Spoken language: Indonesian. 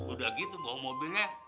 udah gitu bawa mobilnya